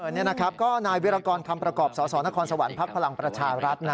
นี่นะครับก็นายวิรากรคำประกอบสสนครสวรรคพลังประชารัฐ